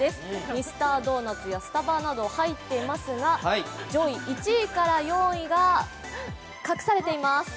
ミスタードーナツなどスタバなど入っていますが上位１位から４位が隠されています。